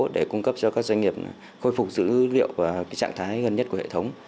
để cung cấp cho các doanh nghiệp khôi phục dữ liệu trạng thái gần nhất của hệ thống